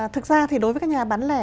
thực ra thì đối với các nhà bán lẻ